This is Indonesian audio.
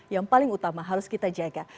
yang paling utama harus kita jaga